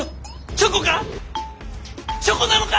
チョコなのか！？